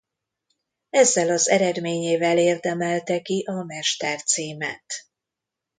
Ezzel az eredményével érdemelte ki a mester címet.